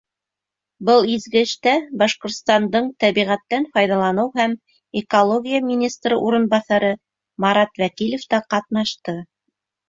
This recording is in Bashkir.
Был изге эштә Башҡортостандың тәбиғәттән файҙаланыу һәм экология министры урынбаҫары Марат Вәкилов та ҡатнашты.